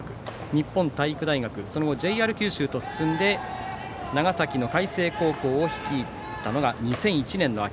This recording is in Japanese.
日本体育大学その後、ＪＲ九州と進んで長崎の海星高校を率いたのが２００１年の秋。